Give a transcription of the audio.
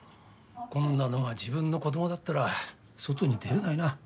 こんなのが自分の子供だったら外に出れないな。